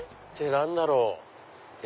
何だろう？